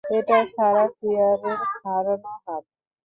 এটা সারাহ ফিয়ারের হারানো হাত।